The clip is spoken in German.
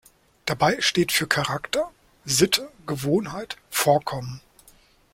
Dabei steht für ‚Charakter, Sitte, Gewohnheit, Vorkommen‘.